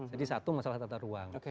jadi satu masalah tata ruang